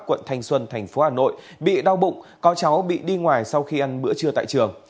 quận thanh xuân thành phố hà nội bị đau bụng có cháu bị đi ngoài sau khi ăn bữa trưa tại trường